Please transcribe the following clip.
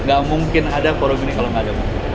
gak mungkin ada forum ini kalau nggak ada